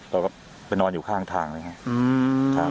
เราก็ไปนอนอยู่ข้างทางเลยครับ